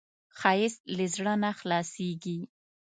ښایست له زړه نه خلاصېږي